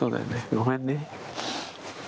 ごめんね。